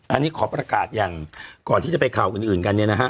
อันนี้ขอประกาศอย่างก่อนที่จะไปข่าวอื่นกันเนี่ยนะฮะ